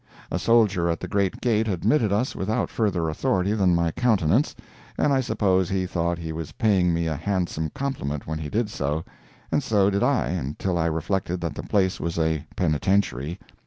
A soldier at the great gate admitted us without further authority than my countenance, and I suppose he thought he was paying me a handsome compliment when he did so; and so did I until I reflected that the place was a penitentiary.